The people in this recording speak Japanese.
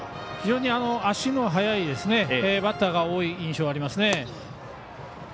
非常に足の速いバッターが多い印象がありますね。